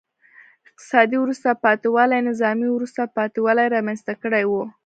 اقتصادي وروسته پاتې والي نظامي وروسته پاتې والی رامنځته کړی و.